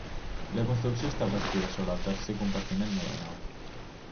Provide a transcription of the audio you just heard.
La construcció està bastida sobre el tercer compartiment de la nau.